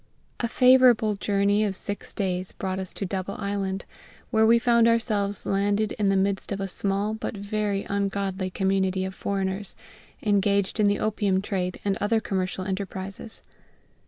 A favourable journey of six days brought us to Double Island, where we found ourselves landed in the midst of a small but very ungodly community of foreigners, engaged in the opium trade and other commercial enterprises.